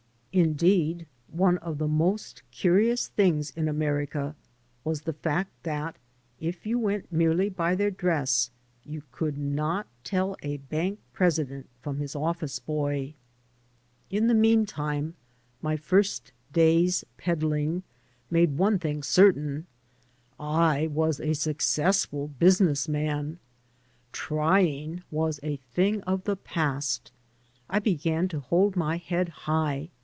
Indeed, one of the most curious things \ in America was the fact that, if you went merely by their ■ dress, you could not teU a bank president from his office boy. In the mean time my first day's peddling made one thing certain : I was a successful business man. " Try ing" was a thing of the past. I began to hold my head high.